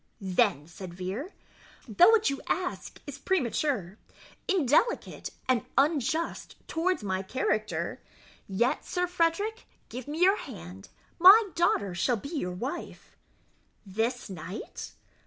"Then," said Vere, "though what you ask is premature, indelicate, and unjust towards my character, yet, Sir Frederick, give me your hand my daughter shall be your wife." "This night?"